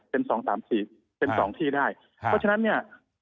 เป็น๒๓๔เป็น๒ที่ได้เพราะฉะนั้นเนี่ย